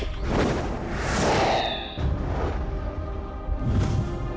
atau jalan tangan